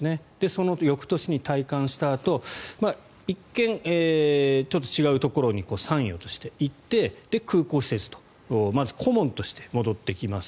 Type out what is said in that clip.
その翌年に退官したあと一見、ちょっと違うところに参与として行って空港施設とまず顧問として戻ってきます。